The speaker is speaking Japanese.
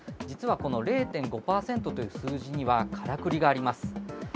実はこの０．５％という数字にはからくりがあります。